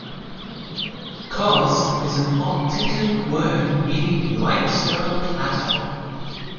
"Causse" is an Occitan word meaning "limestone plateau".